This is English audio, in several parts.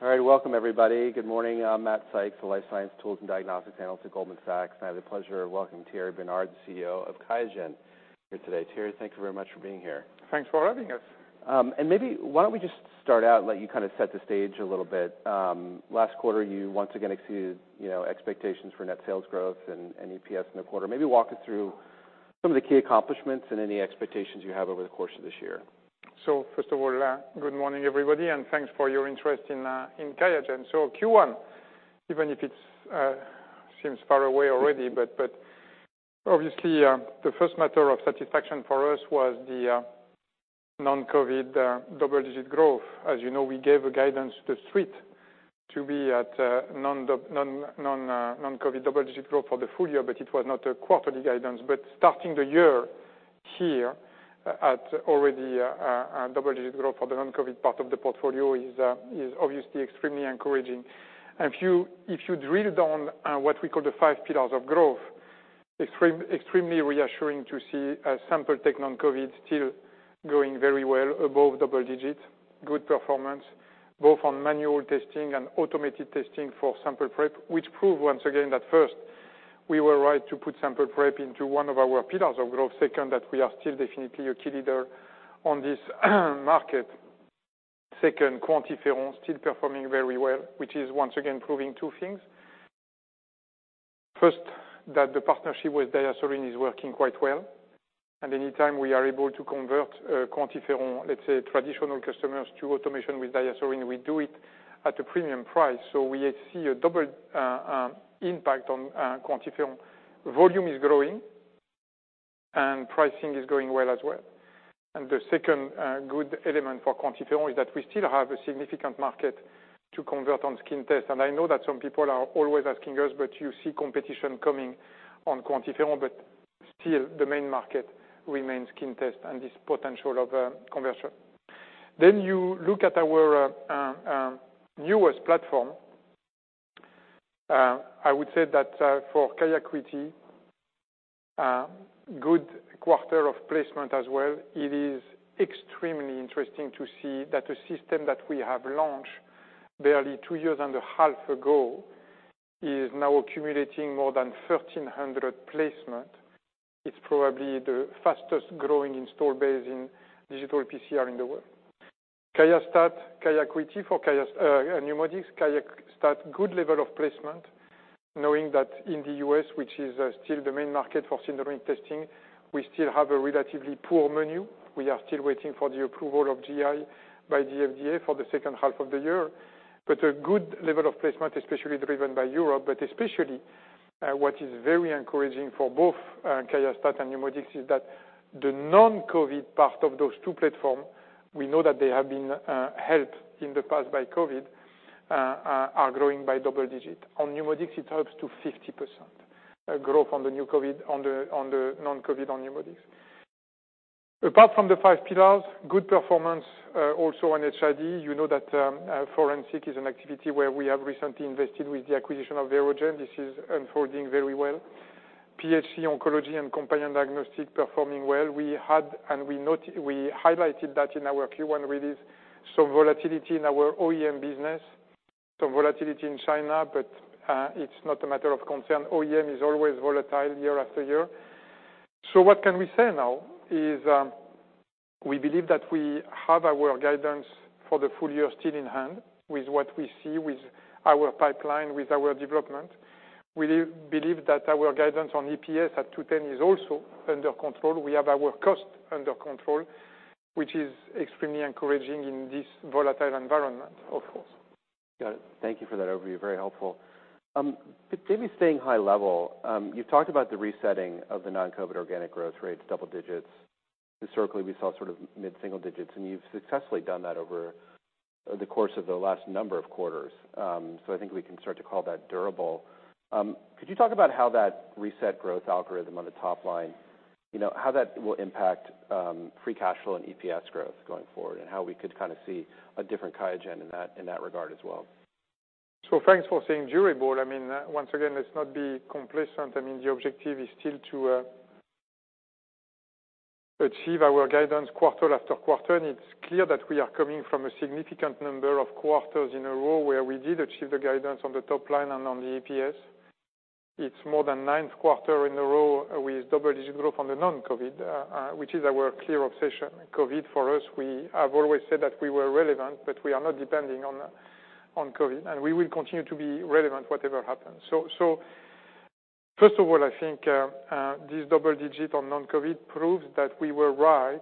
All right. Welcome, everybody. Good morning. I'm Matt Sykes, the Life Science Tools and Diagnostics Analyst at Goldman Sachs. And I have the pleasure of welcoming Thierry Bernard, the CEO of Qiagen, here today. Thierry, thank you very much for being here. Thanks for having us. And maybe why don't we just start out and let you kind of set the stage a little bit. Last quarter you once again exceeded, you know, expectations for net sales growth and EPS in the quarter. Maybe walk us through some of the key accomplishments and any expectations you have over the course of this year. First of all, good morning, everybody. Thanks for your interest in Qiagen. Q1, even if it seems far away already, but obviously, the first matter of satisfaction for us was the non-COVID double-digit growth. As you know, we gave a guidance to the street to be at non-COVID double-digit growth for the full year. It was not a quarterly guidance. Starting the year here at already a double-digit growth for the non-COVID part of the portfolio is obviously extremely encouraging. If you drill down on what we call the five pillars of growth, it is extremely reassuring to see a sample tech non-COVID still going very well above double-digit, good performance both on manual testing and automated testing for sample prep, which proves once again that first, we were right to put sample prep into one of our pillars of growth. Second, that we are still definitely a key leader on this market. Second, QuantiFERON still performing very well, which is once again proving two things. First, that the partnership with DiaSorin is working quite well. And anytime we are able to convert QuantiFERON, let's say, traditional customers to automation with DiaSorin, we do it at a premium price. So we see a double impact on QuantiFERON. Volume is growing, and pricing is going well as well. And the second good element for QuantiFERON is that we still have a significant market to convert on skin test. I know that some people are always asking us, "But you see competition coming on QuantiFERON?" But still, the main market remains skin test and this potential of conversion. Then you look at our newest platform. I would say that for QIAcuity, good quarter of placement as well. It is extremely interesting to see that the system that we have launched barely two years and a half ago is now accumulating more than 1,300 placements. It's probably the fastest growing install base in digital PCR in the world. QIAstat-Dx, QIAcuity, QIAstat-Dx, and NeuMoDx, QIAstat-Dx, good level of placement, knowing that in the U.S., which is still the main market for syndromic testing, we still have a relatively poor menu. We are still waiting for the approval of GI by the FDA for the second half of the year. But a good level of placement, especially driven by Europe. But especially, what is very encouraging for both, QIAstat-Dx and NeuMoDx is that the non-COVID part of those two platforms, we know that they have been, helped in the past by COVID, are growing by double digit. On NeuMoDx, it helps to 50% growth on the non-COVID on NeuMoDx. Apart from the five pillars, good performance, also on HID. You know that, forensic is an activity where we have recently invested with the acquisition of Verogen. This is unfolding very well. Pharma oncology and companion diagnostic performing well. We had and we note we highlighted that in our Q1 release, some volatility in our OEM business, some volatility in China. But, it's not a matter of concern. OEM is always volatile year-after-year. So what can we say now is, we believe that we have our guidance for the full year still in hand with what we see with our pipeline, with our development. We believe that our guidance on EPS at $2.10 is also under control. We have our cost under control, which is extremely encouraging in this volatile environment, of course. Got it. Thank you for that overview. Very helpful. But maybe staying high level, you've talked about the resetting of the non-COVID organic growth rates, double digits. Historically, we saw sort of mid-single digits. And you've successfully done that over the course of the last number of quarters. So I think we can start to call that durable. Could you talk about how that reset growth algorithm on the top line, you know, how that will impact free cash flow and EPS growth going forward and how we could kind of see a different Qiagen in that regard as well? So thanks for saying durable. I mean, once again, let's not be complacent. I mean, the objective is still to achieve our guidance quarter-after-quarter. And it's clear that we are coming from a significant number of quarters in a row where we did achieve the guidance on the top line and on the EPS. It's more than ninth quarter in a row with double-digit growth on the non-COVID, which is our clear obsession. COVID, for us, we have always said that we were relevant, but we are not depending on COVID. And we will continue to be relevant whatever happens. So first of all, I think this double digit on non-COVID proves that we were right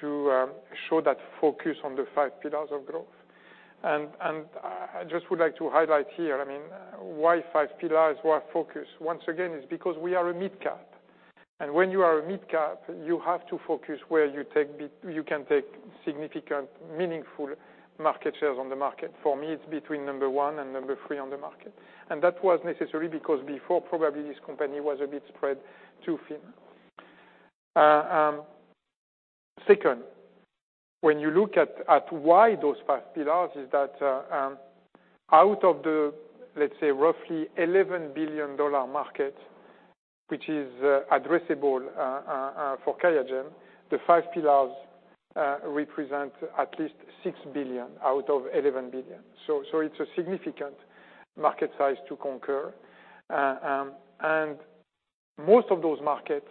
to show that focus on the five pillars of growth. And I just would like to highlight here, I mean, why five pillars were focused. Once again, it's because we are a mid-cap. And when you are a mid-cap, you have to focus where you can take significant, meaningful market shares on the market. For me, it's between number one and number three on the market. And that was necessary because before, probably, this company was a bit spread too thin. Second, when you look at why those five pillars is that, out of the, let's say, roughly $11 billion market, which is, addressable, for Qiagen, the five pillars, represent at least $6 billion out of $11 billion. So, so it's a significant market size to conquer. And most of those markets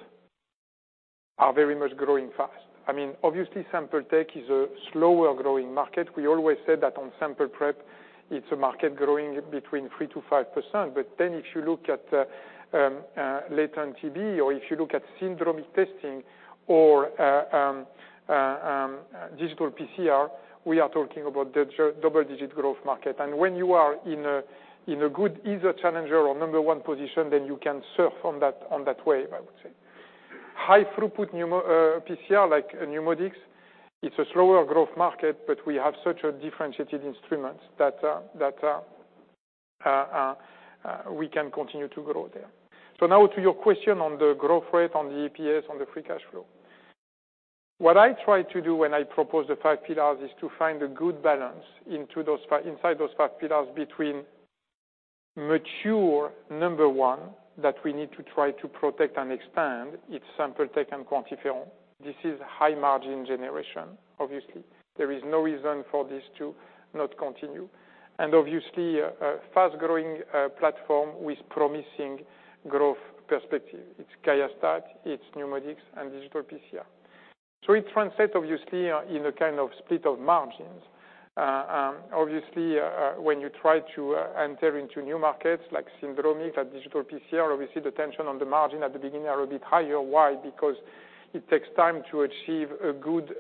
are very much growing fast. I mean, obviously, sample tech is a slower-growing market. We always said that on sample prep, it's a market growing between 3%-5%. But then if you look at latent TB, or if you look at syndromic testing, or digital PCR, we are talking about the huge double-digit growth market. And when you are in a good either challenger or number-one position, then you can surf on that wave, I would say. High-throughput NeuMo PCR like NeuMoDx, it's a slower-growth market, but we have such a differentiated instruments that we can continue to grow there. So now to your question on the growth rate on the EPS, on the free cash flow. What I try to do when I propose the five pillars is to find a good balance into those five pillars between mature number one that we need to try to protect and expand its sample tech and QuantiFERON. This is high-margin generation, obviously. There is no reason for this to not continue. And obviously, a fast-growing platform with promising growth perspective. It's QIAstat-Dx, it's NeuMoDx, and digital PCR. So it translates, obviously, in a kind of split of margins. Obviously, when you try to enter into new markets like syndromic or digital PCR, obviously, the tension on the margin at the beginning are a bit higher. Why? Because it takes time to achieve a good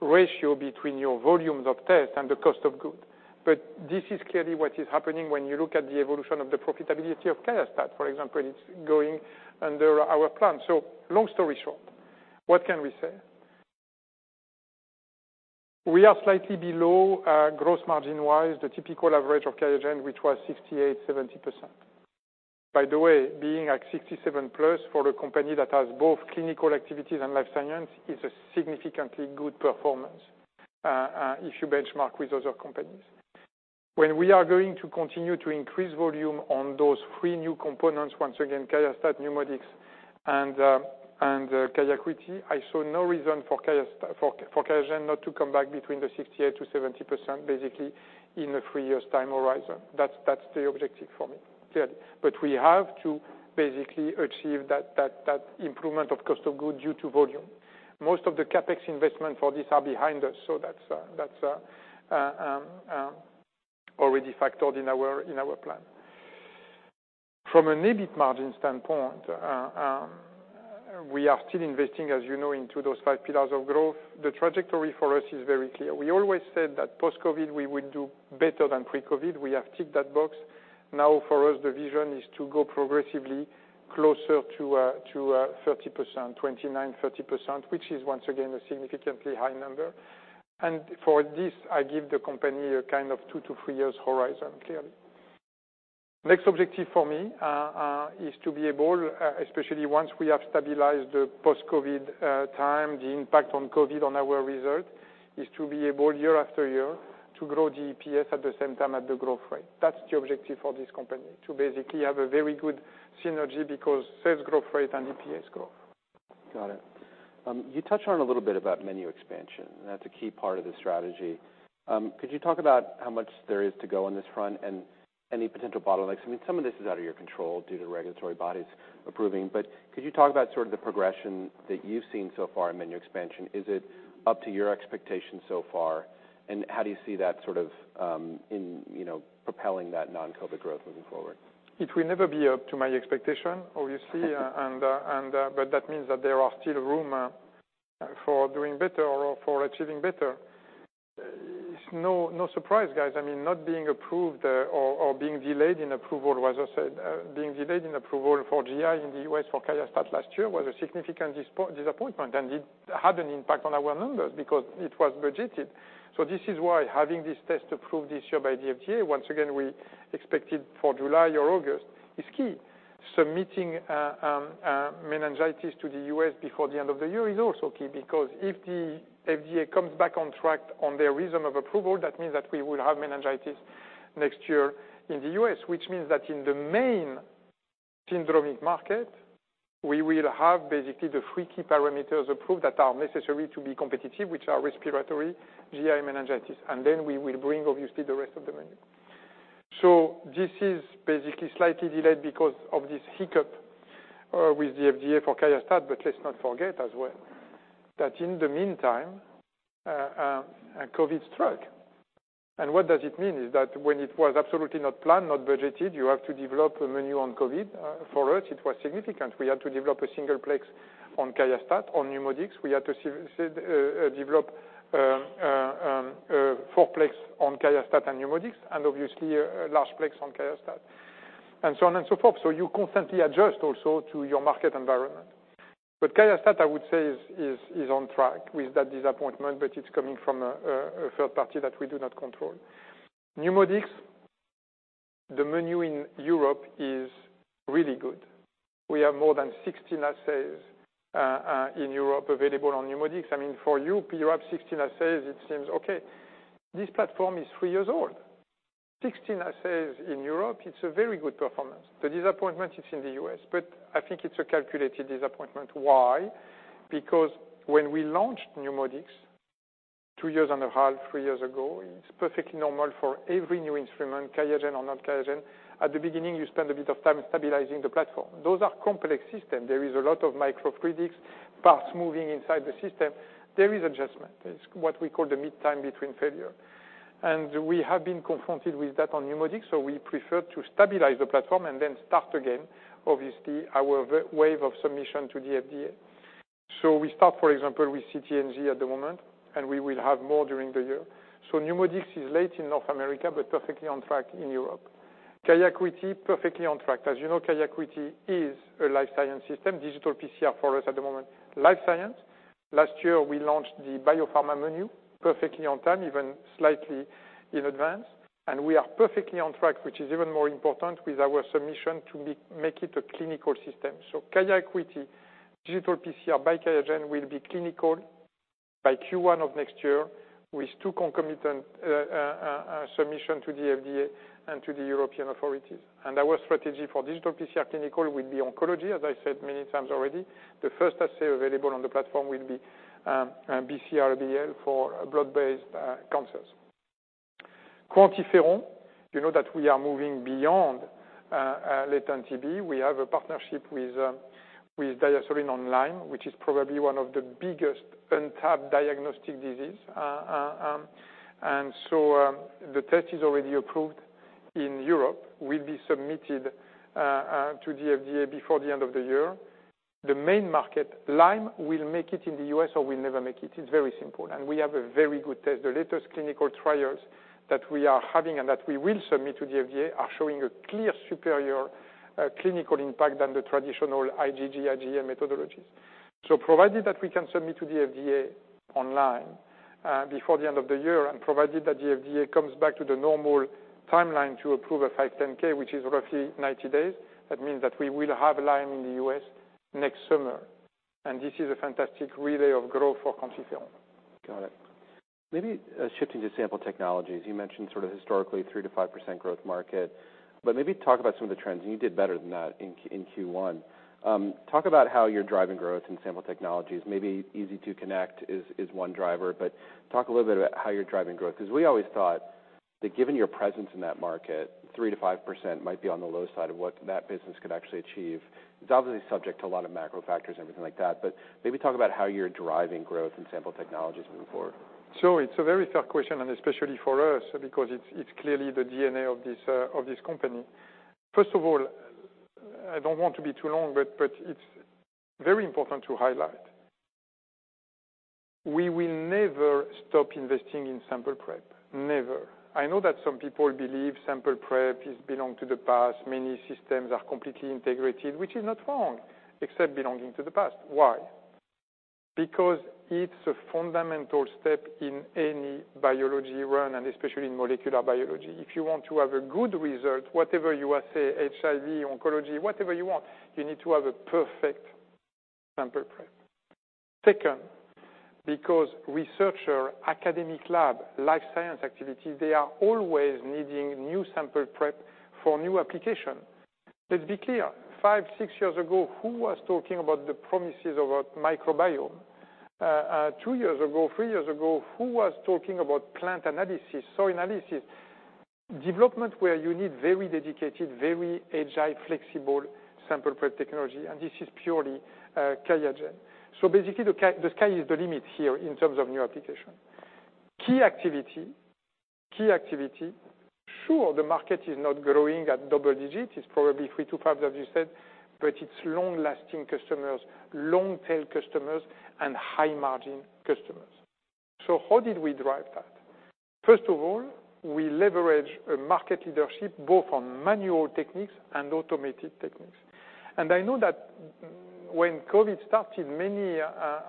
ratio between your volumes of test and the cost of goods. But this is clearly what is happening when you look at the evolution of the profitability of QIAstat-Dx, for example, it's going under our plan. So long story short, what can we say? We are slightly below, gross margin-wise, the typical average of Qiagen, which was 68%-70%. By the way, being at 67+% for a company that has both clinical activities and life science is a significantly good performance, if you benchmark with other companies. When we are going to continue to increase volume on those three new components, once again, QIAstat-Dx, NeuMoDx, and QIAcuity, I saw no reason for Qiagen not to come back between 68%-70% basically in the three-year time horizon. That's the objective for me, clearly. But we have to basically achieve that improvement of cost of goods due to volume. Most of the CapEx investment for this are behind us. So that's already factored in our plan. From an EBIT margin standpoint, we are still investing, as you know, into those five pillars of growth. The trajectory for us is very clear. We always said that post-COVID, we would do better than pre-COVID. We have ticked that box. Now, for us, the vision is to go progressively closer to 30%, 29%, 30%, which is, once again, a significantly high number. And for this, I give the company a kind of two to three-year horizon, clearly. Next objective for me is to be able, especially once we have stabilized the post-COVID time, the impact on COVID on our result is to be able, year-after-year, to grow the EPS at the same time as the growth rate. That's the objective for this company, to basically have a very good synergy because sales growth rate and EPS growth. Got it. You touched on a little bit about menu expansion. That's a key part of the strategy. Could you talk about how much there is to go on this front and any potential bottlenecks? I mean, some of this is out of your control due to regulatory bodies approving. But could you talk about sort of the progression that you've seen so far in menu expansion? Is it up to your expectation so far? And how do you see that sort of, in, you know, propelling that non-COVID growth moving forward? It will never be up to my expectation, obviously. Yeah. That means that there are still room for doing better or for achieving better. It's no surprise, guys. I mean, not being approved or being delayed in approval was, as said, being delayed in approval for GI in the U.S. for QIAstat last year was a significant disappointment. It had an impact on our numbers because it was budgeted. This is why having this test approved this year by the FDA, once again we expected for July or August, is key. Submitting meningitis to the U.S. before the end of the year is also key because if the FDA comes back on track on their reason of approval, that means that we will have meningitis next year in the U.S., which means that in the main syndromic market, we will have basically the three key parameters approved that are necessary to be competitive, which are respiratory, GI, meningitis. And then we will bring obviously the rest of the menu. So this is basically slightly delayed because of this hiccup with the FDA for QIAstat-Dx. But let's not forget as well that in the meantime, COVID struck. And what does it mean? Is that when it was absolutely not planned, not budgeted, you have to develop a menu on COVID. For us, it was significant. We had to develop a single-plex on QIAstat-Dx, on NeuMoDx. We had to say, develop, four-plex on QIAstat-Dx and NeuMoDx, and obviously, large- plex on QIAstat-Dx, and so on and so forth, so you constantly adjust also to your market environment. QIAstat-Dx, I would say, is on track with that disappointment, but it's coming from a third party that we do not control. NeuMoDx, the menu in Europe is really good. We have more than 16 assays in Europe available on NeuMoDx. I mean, for you, you have 16 assays. It seems okay. This platform is three years old. 16 assays in Europe, it's a very good performance. The disappointment is in the US, but I think it's a calculated disappointment. Why? Because when we launched NeuMoDx two years and a half, three years ago, it's perfectly normal for every new instrument, Qiagen or not Qiagen. At the beginning, you spend a bit of time stabilizing the platform. Those are complex systems. There is a lot of microfluidics, parts moving inside the system. There is adjustment. It's what we call the mean time between failures, and we have been confronted with that on NeuMoDx. We preferred to stabilize the platform and then start again, obviously, our wave of submission to the FDA, so we start, for example, with CT/NG at the moment, and we will have more during the year. NeuMoDx is late in North America but perfectly on track in Europe. QIAcuity, perfectly on track. As you know, QIAcuity is a life science system, digital PCR for us at the moment, life science. Last year, we launched the biopharma menu perfectly on time, even slightly in advance. We are perfectly on track, which is even more important with our submission to make it a clinical system. QIAcuity, digital PCR by QIAGEN will be clinical by Q1 of next year with two concomitant submissions to the FDA and to the European authorities. Our strategy for digital PCR clinical will be oncology, as I said many times already. The first assay available on the platform will be BCR-ABL for blood-based cancers. QuantiFERON, you know that we are moving beyond latent TB. We have a partnership with DiaSorin, which is probably one of the biggest untapped diagnostic diseases. The test is already approved in Europe. It will be submitted to the FDA before the end of the year. The main market, Lyme, will make it in the US or will never make it. It's very simple, and we have a very good test. The latest clinical trials that we are having and that we will submit to the FDA are showing a clear superior clinical impact than the traditional IgG, IgM methodologies. So provided that we can submit to the FDA online, before the end of the year, and provided that the FDA comes back to the normal timeline to approve a 510(k), which is roughly 90 days, that means that we will have Lyme in the U.S. next summer. And this is a fantastic ray of growth for QuantiFERON. Got it. Maybe a shift into sample technologies. You mentioned sort of historically 3%-5% growth market. But maybe talk about some of the trends. And you did better than that in Q1. Talk about how you're driving growth in sample technologies. Maybe EZ2 Connect is one driver. But talk a little bit about how you're driving growth. Because we always thought that given your presence in that market, 3%-5% might be on the low side of what that business could actually achieve. It's obviously subject to a lot of macro factors and everything like that. But maybe talk about how you're driving growth in sample technologies moving forward. So it's a very tough question, and especially for us, because it's, it's clearly the DNA of this, of this company. First of all, I don't want to be too long, but, but it's very important to highlight. We will never stop investing in sample prep. Never. I know that some people believe sample prep belongs to the past. Many systems are completely integrated, which is not wrong, except belonging to the past. Why? Because it's a fundamental step in any biology run, and especially in molecular biology. If you want to have a good result, whatever you assay, HIV, oncology, whatever you want, you need to have a perfect sample prep. Second, because researcher, academic lab, life science activities, they are always needing new sample prep for new application. Let's be clear. Five, six years ago, who was talking about the promises of a microbiome? Two years ago, three years ago, who was talking about plant analysis, soil analysis? Development where you need very dedicated, very agile, flexible sample prep technology. And this is purely Qiagen. So basically, the sky is the limit here in terms of new application. Sure, the market is not growing at double-digit. It's probably three to five, as you said. But it's long-lasting customers, long-tail customers, and high-margin customers. So how did we drive that? First of all, we leverage market leadership both on manual techniques and automated techniques. And I know that when COVID started, many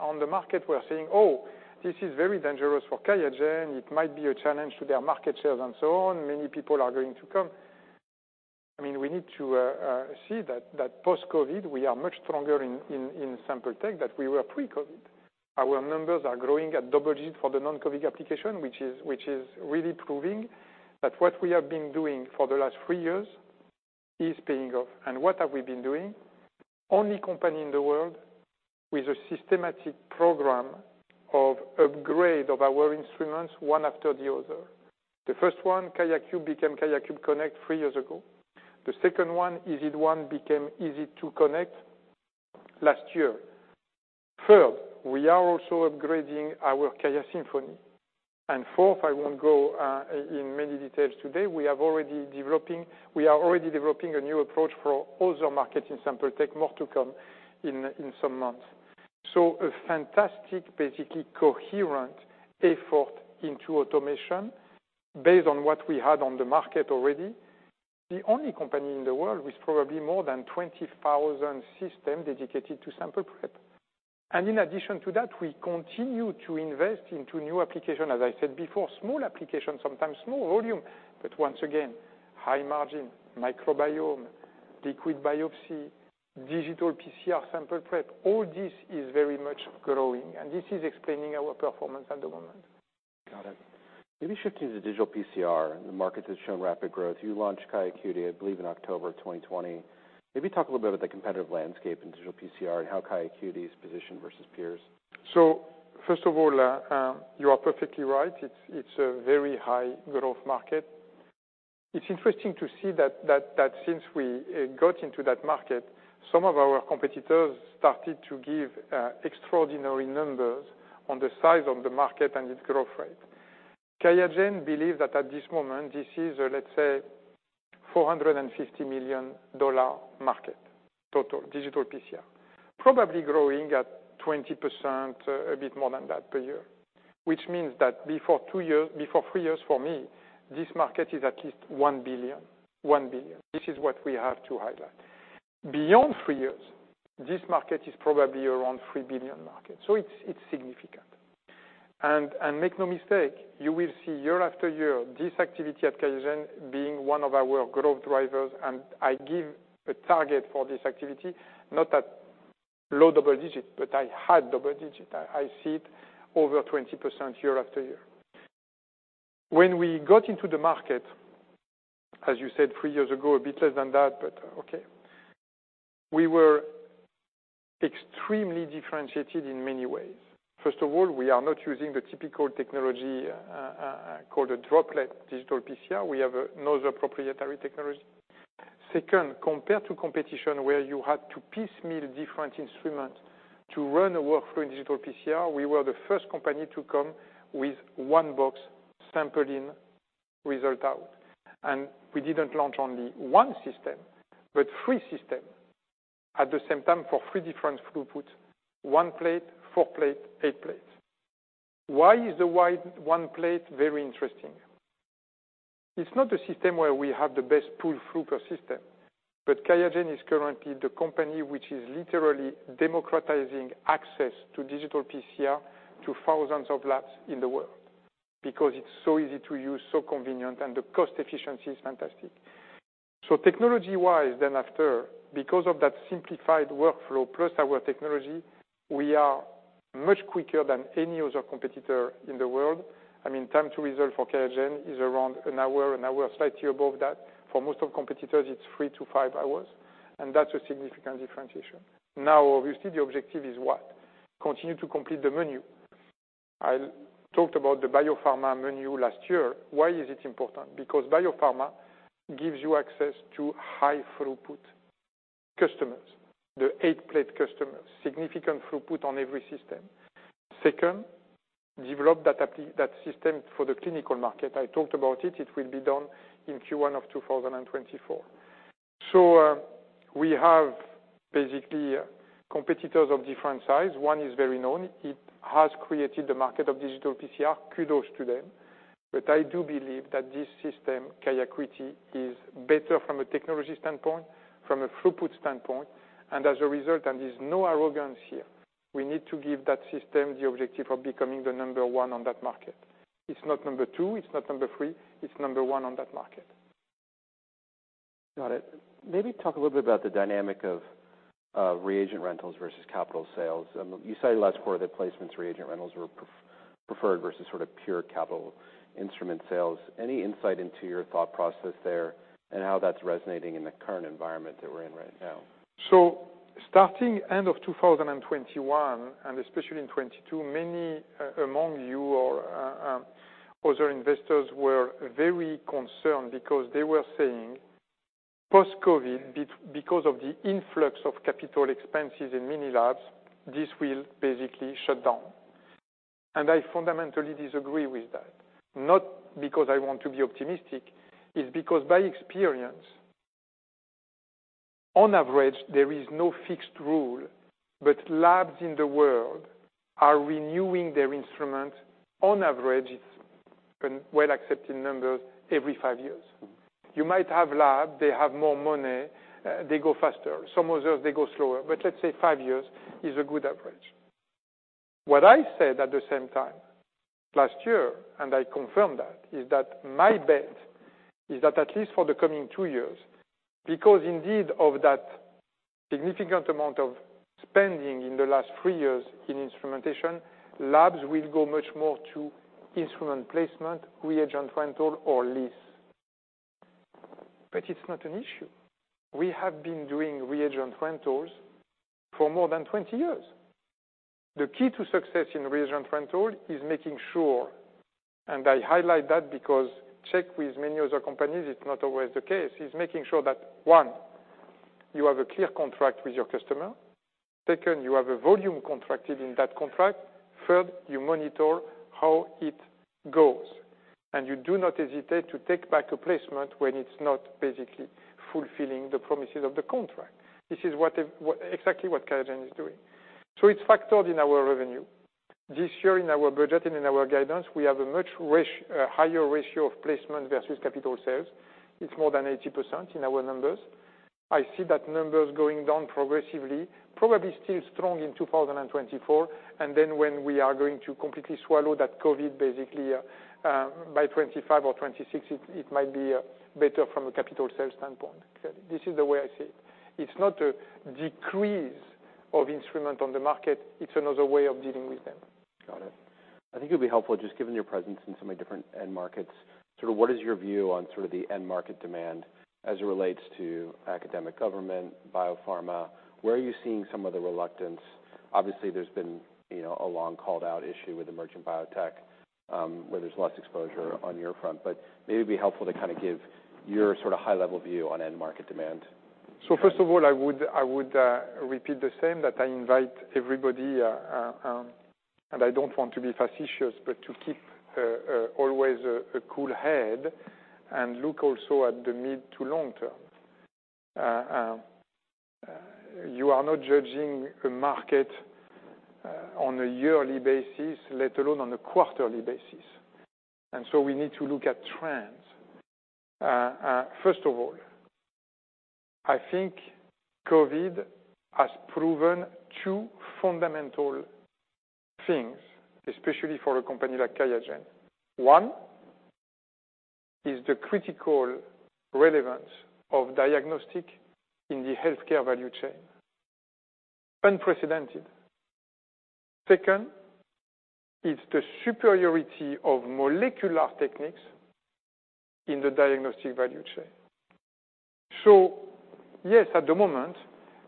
on the market were saying, "Oh, this is very dangerous for Qiagen. It might be a challenge to their market shares," and so on. Many people are going to come. I mean, we need to see that post-COVID, we are much stronger in sample tech than we were pre-COVID. Our numbers are growing at double digit for the non-COVID application, which is really proving that what we have been doing for the last three years is paying off. What have we been doing? Only company in the world with a systematic program of upgrade of our instruments one after the other. The first one, QIAcube, became QIAcube Connect three years ago. The second one, EZ1, became EZ2 Connect last year. Third, we are also upgrading our QIAsymphony. And fourth, I won't go into many details today. We are already developing a new approach for other markets in sample tech, more to come in some months. So a fantastic, basically coherent effort into automation based on what we had on the market already. The only company in the world with probably more than 20,000 systems dedicated to sample prep. And in addition to that, we continue to invest into new applications, as I said before, small applications, sometimes small volume. But once again, high margin, microbiome, liquid biopsy, digital PCR sample prep. All this is very much growing. And this is explaining our performance at the moment. Got it. Maybe shifting to digital PCR. The market has shown rapid growth. You launched QIAcuity, I believe, in October of 2020. Maybe talk a little bit about the competitive landscape in digital PCR and how Qiagen is positioned versus peers. So first of all, you are perfectly right. It's a very high-growth market. It's interesting to see that since we got into that market, some of our competitors started to give extraordinary numbers on the size of the market and its growth rate. Qiagen believes that at this moment, this is a, let's say, $450 million market total, digital PCR, probably growing at 20%, a bit more than that per year, which means that before two years, before three years, for me, this market is at least $1 billion. This is what we have to highlight. Beyond three years, this market is probably around $3 billion market. It's significant. And make no mistake, you will see year-after-year this activity at Qiagen being one of our growth drivers. I give a target for this activity, not at low double digit, but I had double digit. I, I see it over 20% year-after-year. When we got into the market, as you said, three years ago, a bit less than that, but okay, we were extremely differentiated in many ways. First of all, we are not using the typical technology, called a droplet digital PCR. We have another proprietary technology. Second, compared to competition where you had to piecemeal different instruments to run a workflow in digital PCR, we were the first company to come with one box, sample in, result out. And we didn't launch only one system, but three systems at the same time for three different throughputs: one plate, four plates, eight plates. Why is the why one plate very interesting? It's not a system where we have the best pull-through per system. Qiagen is currently the company which is literally democratizing access to digital PCR to thousands of labs in the world because it's so easy to use, so convenient, and the cost efficiency is fantastic. So technology-wise, then after, because of that simplified workflow plus our technology, we are much quicker than any other competitor in the world. I mean, time to result for Qiagen is around an hour, an hour slightly above that. For most of competitors, it's three to five hours. And that's a significant differentiation. Now, obviously, the objective is what? Continue to complete the menu. I talked about the biopharma menu last year. Why is it important? Because biopharma gives you access to high-throughput customers, the eight-plate customers, significant throughput on every system. Second, develop that application that system for the clinical market. I talked about it. It will be done in Q1 of 2024. We have basically competitors of different size. One is very known. It has created the market of digital PCR. Kudos to them. But I do believe that this system, Qiagen, is better from a technology standpoint, from a throughput standpoint. And as a result, and there's no arrogance here, we need to give that system the objective of becoming the number one on that market. It's not number two. It's not number three. It's number one on that market. Got it. Maybe talk a little bit about the dynamic of reagent rentals versus capital sales. You cited last quarter that placements reagent rentals were preferred versus sort of pure capital instrument sales. Any insight into your thought process there and how that's resonating in the current environment that we're in right now? Starting end of 2021, and especially in 2022, many among you or other investors were very concerned because they were saying post-COVID, because of the influx of capital expenses in many labs, this will basically shut down. I fundamentally disagree with that. Not because I want to be optimistic. It's because by experience, on average, there is no fixed rule. Labs in the world are renewing their instruments on average. It's a well-accepted number every five years. You might have labs. They have more money. They go faster. Some others, they go slower. Let's say five years is a good average. What I said at the same time last year, and I confirm that, is that my bet is that at least for the coming two years, because indeed of that significant amount of spending in the last three years in instrumentation, labs will go much more to instrument placement, reagent rental, or lease. But it's not an issue. We have been doing reagent rentals for more than 20 years. The key to success in reagent rental is making sure, and I highlight that because check with many other companies, it's not always the case, is making sure that, one, you have a clear contract with your customer. Second, you have a volume contracted in that contract. Third, you monitor how it goes. And you do not hesitate to take back a placement when it's not basically fulfilling the promises of the contract. This is exactly what Qiagen is doing. So it's factored in our revenue. This year, in our budget and in our guidance, we have a much higher ratio of placement versus capital sales. It's more than 80% in our numbers. I see that numbers going down progressively, probably still strong in 2024. And then when we are going to completely swallow that COVID, basically, by 2025 or 2026, it might be better from a capital sales standpoint. This is the way I see it. It's not a decrease of instruments on the market. It's another way of dealing with them. Got it. I think it would be helpful, just given your presence in so many different end markets, sort of what is your view on sort of the end market demand as it relates to academic government, biopharma? Where are you seeing some of the reluctance? Obviously, there's been, you know, a long called-out issue with emerging biotech, where there's less exposure on your front. But maybe it'd be helpful to kind of give your sort of high-level view on end market demand. So first of all, I would repeat the same, that I invite everybody, and I don't want to be facetious, but to keep always a cool head and look also at the mid to long term. You are not judging a market on a yearly basis, let alone on a quarterly basis. And so we need to look at trends. First of all, I think COVID has proven two fundamental things, especially for a company like Qiagen. One is the critical relevance of diagnostic in the healthcare value chain, unprecedented. Second, it's the superiority of molecular techniques in the diagnostic value chain. So yes, at the moment,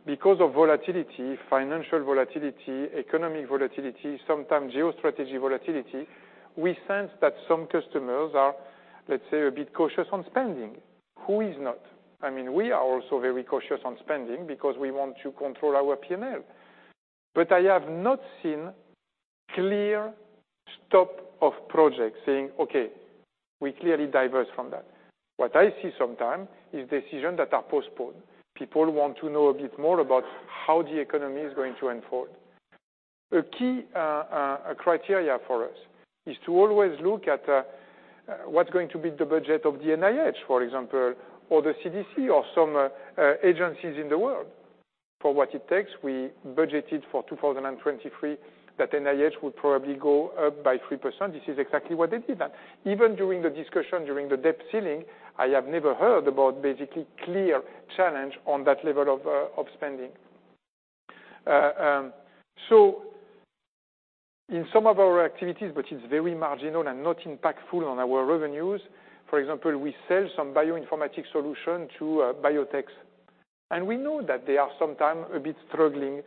because of volatility, financial volatility, economic volatility, sometimes geostrategy volatility, we sense that some customers are, let's say, a bit cautious on spending. Who is not? I mean, we are also very cautious on spending because we want to control our P&L. But I have not seen clear stop of projects saying, "Okay, we clearly diverge from that." What I see sometimes is decisions that are postponed. People want to know a bit more about how the economy is going to unfold. A key criteria for us is to always look at what's going to be the budget of the NIH, for example, or the CDC, or some agencies in the world. For what it takes, we budgeted for 2023 that NIH would probably go up by 3%. This is exactly what they did. And even during the discussion, during the debt ceiling, I have never heard about basically clear challenge on that level of spending. So in some of our activities, but it's very marginal and not impactful on our revenues. For example, we sell some bioinformatics solution to biotechs, and we know that they are sometimes a bit struggling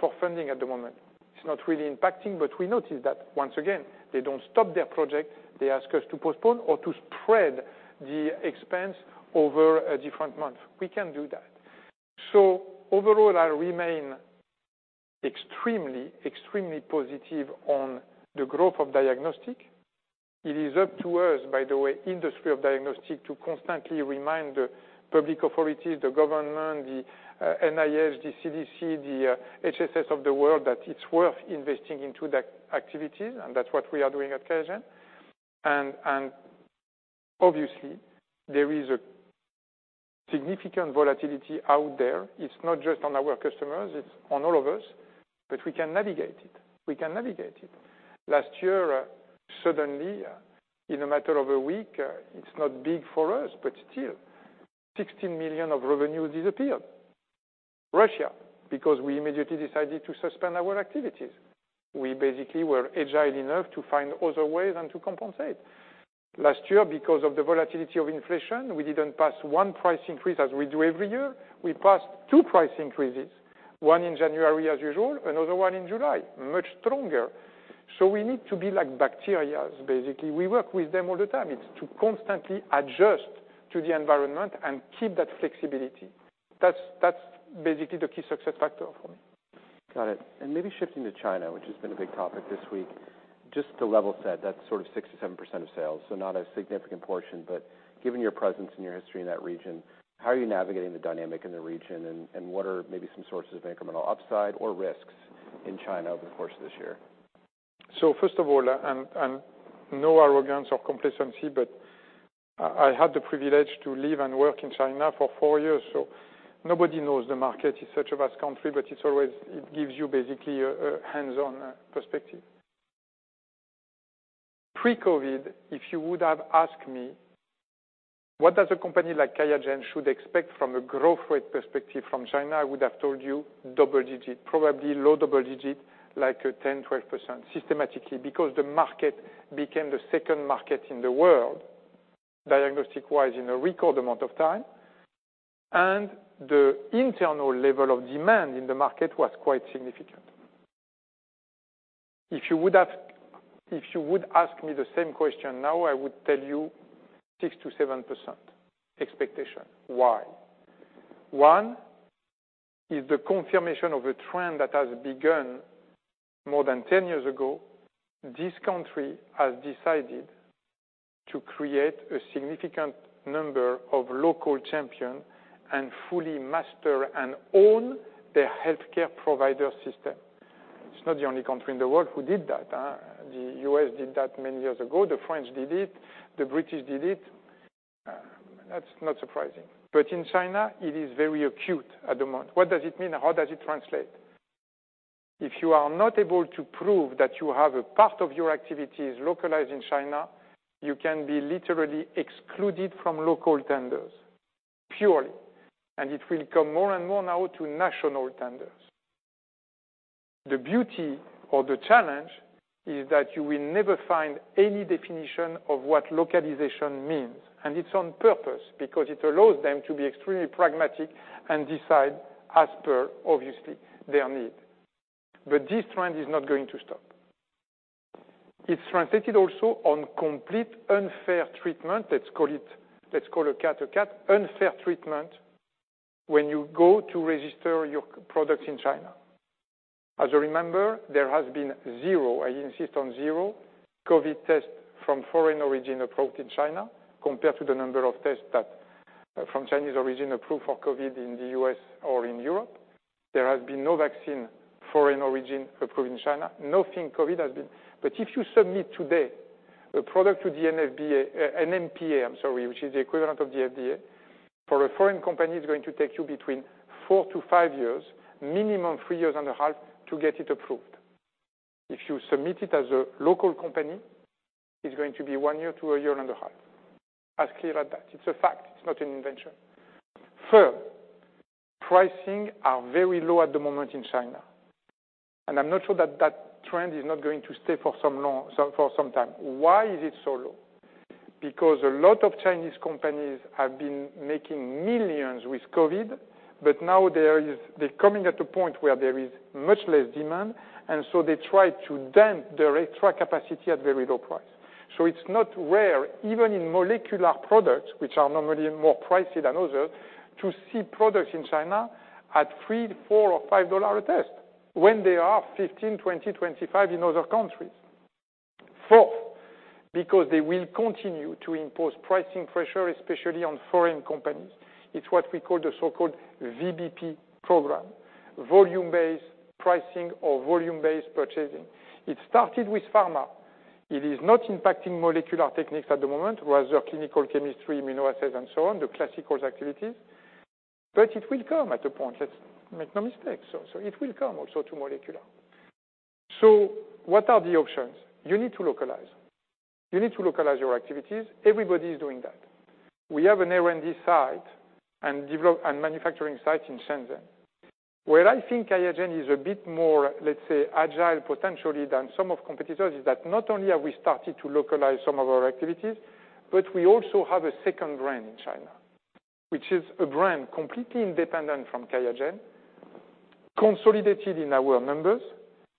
for funding at the moment. It's not really impacting, but we notice that once again, they don't stop their project. They ask us to postpone or to spread the expense over a different month. We can do that, so overall, I remain extremely, extremely positive on the growth of diagnostics. It is up to us, by the way, diagnostics industry, to constantly remind the public authorities, the government, the NIH, the CDC, the HHS of the world that it's worth investing into the activities, and that's what we are doing at Qiagen, and obviously, there is a significant volatility out there. It's not just on our customers. It's on all of us, but we can navigate it. We can navigate it. Last year, suddenly, in a matter of a week, it's not big for us, but still, $16 million of revenue disappeared. Russia, because we immediately decided to suspend our activities. We basically were agile enough to find other ways and to compensate. Last year, because of the volatility of inflation, we didn't pass one price increase as we do every year. We passed two price increases, one in January as usual, another one in July, much stronger. So we need to be like bacteria, basically. We work with them all the time. It's to constantly adjust to the environment and keep that flexibility. That's, that's basically the key success factor for me. Got it. And maybe shifting to China, which has been a big topic this week, just to level set, that's sort of 67% of sales. So not a significant portion. But given your presence and your history in that region, how are you navigating the dynamic in the region, and what are maybe some sources of incremental upside or risks in China over the course of this year? First of all, no arrogance or complacency, but I had the privilege to live and work in China for four years. Nobody knows the market. It's such a vast country, but it always gives you basically a hands-on perspective. Pre-COVID, if you would have asked me what does a company like Qiagen should expect from a growth rate perspective from China, I would have told you double digit, probably low double digit, like 10%-12% systematically, because the market became the second market in the world diagnostic-wise in a record amount of time. The internal level of demand in the market was quite significant. If you would ask me the same question now, I would tell you 6%-7% expectation. Why? One is the confirmation of a trend that has begun more than 10 years ago. This country has decided to create a significant number of local champions and fully master and own their healthcare provider system. It's not the only country in the world who did that. The U.S. did that many years ago. The French did it. The British did it. That's not surprising. But in China, it is very acute at the moment. What does it mean? How does it translate? If you are not able to prove that you have a part of your activities localized in China, you can be literally excluded from local tenders purely. And it will come more and more now to national tenders. The beauty or the challenge is that you will never find any definition of what localization means. And it's on purpose because it allows them to be extremely pragmatic and decide as per, obviously, their need. But this trend is not going to stop. It's translated also on complete unfair treatment. Let's call a cat a cat. Unfair treatment when you go to register your products in China. As you remember, there has been zero, I insist on zero, COVID tests from foreign origin approved in China compared to the number of tests that from Chinese origin approved for COVID in the U.S. or in Europe. There has been no vaccine foreign origin approved in China. Nothing COVID has been. But if you submit today a product to the NMPA, I'm sorry, which is the equivalent of the FDA, for a foreign company, it's going to take you between four to five years, minimum three years and a half, to get it approved. If you submit it as a local company, it's going to be one year to a year and a half. As clear as that. It's a fact. It's not an invention. Third, pricing is very low at the moment in China. And I'm not sure that that trend is not going to stay for some time. Why is it so low? Because a lot of Chinese companies have been making millions with COVID, but now they're coming at a point where there is much less demand. And so they try to dump their extra capacity at very low price. So it's not rare, even in molecular products, which are normally more pricey than others, to see products in China at $3, $4, or $5 a test when they are $15, $20, $25 in other countries. Fourth, because they will continue to impose pricing pressure, especially on foreign companies. It's what we call the so-called VBP program, volume-based pricing or volume-based purchasing. It started with pharma. It is not impacting molecular techniques at the moment, rather clinical chemistry, immunoassays, and so on, the classical activities. But it will come at a point. Let's make no mistake. So, so it will come also to molecular. So what are the options? You need to localize. You need to localize your activities. Everybody is doing that. We have an R&D site and development and manufacturing site in Shenzhen. Where I think Qiagen is a bit more, let's say, agile potentially than some of competitors is that not only have we started to localize some of our activities, but we also have a second brand in China, which is a brand completely independent from Qiagen, consolidated in our numbers,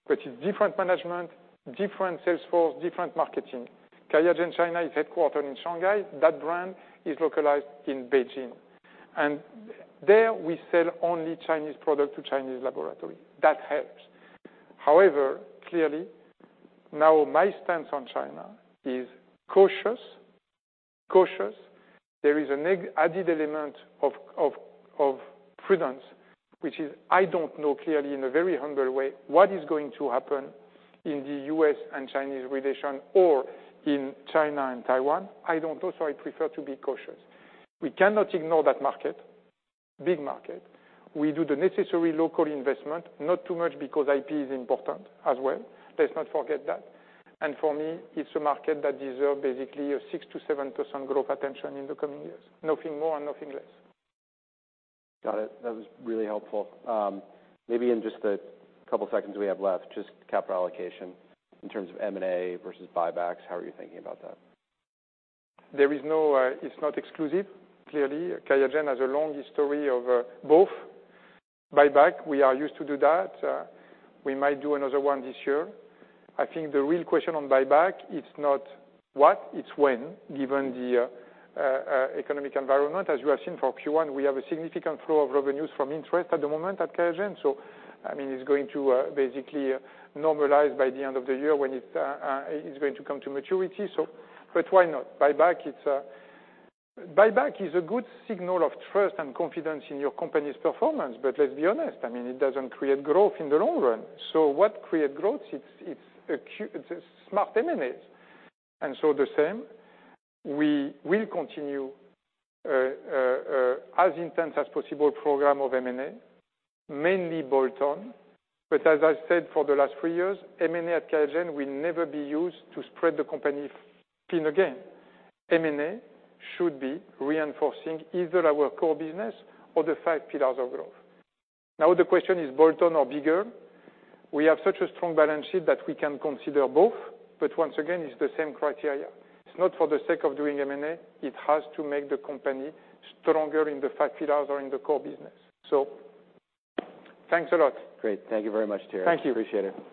but it's different management, different sales force, different marketing. Qiagen China is headquartered in Shanghai. That brand is localized in Beijing. And there we sell only Chinese products to Chinese laboratories. That helps. However, clearly, now my stance on China is cautious, cautious. There is an added element of prudence, which is I don't know clearly in a very humble way what is going to happen in the U.S.-China relations or in China and Taiwan. I don't know, so I prefer to be cautious. We cannot ignore that market, big market. We do the necessary local investment, not too much because IP is important as well. Let's not forget that, and for me, it's a market that deserves basically a 6%-7% growth attention in the coming years. Nothing more and nothing less. Got it. That was really helpful. Maybe in just the couple of seconds we have left, just capital allocation in terms of M&A versus buybacks. How are you thinking about that? There is no, it's not exclusive, clearly. Qiagen has a long history of both buyback. We are used to do that. We might do another one this year. I think the real question on buyback, it's not what, it's when, given the economic environment. As you have seen for Q1, we have a significant flow of revenues from interest at the moment at Qiagen. So, I mean, it's going to basically normalize by the end of the year when it's going to come to maturity. So, but why not? Buyback, it's buyback is a good signal of trust and confidence in your company's performance. But let's be honest, I mean, it doesn't create growth in the long run. So what creates growth, it's it's a smart M&A. And so the same, we will continue as intense as possible program of M&A, mainly bolt-on. But as I said, for the last three years, M&A at Qiagen will never be used to spread the company thin again. M&A should be reinforcing either our core business or the five pillars of growth. Now the question is bolt-on or bigger. We have such a strong balance sheet that we can consider both. But once again, it's the same criteria. It's not for the sake of doing M&A. It has to make the company stronger in the five pillars or in the core business. So thanks a lot. Great. Thank you very much, Thierry. Thank you. Appreciate it.